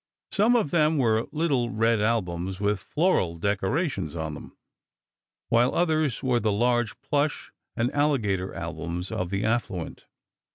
Some of them were little red albums with floral decorations on them, while others were the large plush and alligator albums of the affluent.